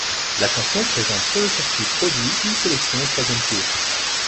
L'ascension présente sur le circuit produit une sélection au troisième tour.